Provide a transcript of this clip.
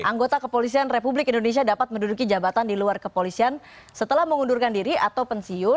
anggota kepolisian republik indonesia dapat menduduki jabatan di luar kepolisian setelah mengundurkan diri atau pensiun